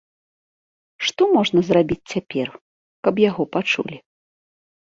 Што можна зрабіць цяпер, каб яго пачулі?